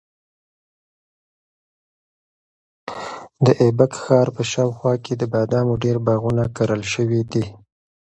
د ایبک ښار په شاوخوا کې د بادامو ډېر باغونه کرل شوي دي.